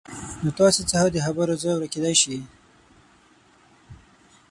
نو تاسې څخه د خبرو ځای ورکېدای شي